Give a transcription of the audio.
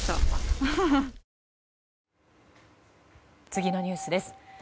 次のニュースです。